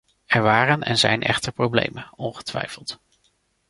Er waren en zijn echter problemen, ongetwijfeld.